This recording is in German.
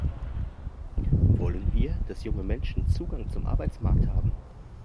Wollen wir, dass junge Menschen Zugang zum Arbeitsmarkt haben?